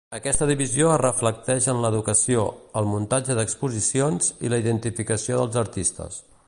Aquesta divisió es reflecteix en l'educació, el muntatge d'exposicions i la identificació dels artistes.